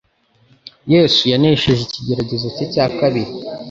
Yesu yanesheje ikigeragezo cye cya kabiri: